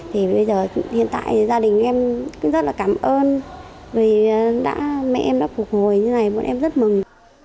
thì bây giờ hiện tại gia đình em cũng rất là cảm ơn vì đã mẹ em đã phục hồi như này bọn em rất mừng